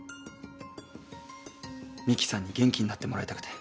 美樹さんに元気になってもらいたくて。